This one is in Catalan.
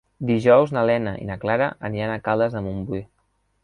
Dijous na Lena i na Clara aniran a Caldes de Montbui.